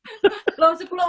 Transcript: kita kalau di ruang karaoke